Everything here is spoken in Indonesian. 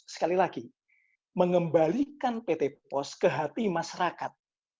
sekali lagi mengembalikan pt pos ke hati masyarakat